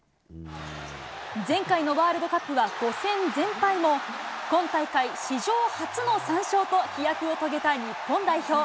前回のワールドカップは５戦全敗も、今大会、史上初の３勝と、飛躍を遂げた日本代表。